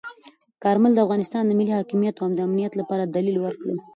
کارمل د افغانستان د ملي حاکمیت او امنیت لپاره دلیل ورکړ.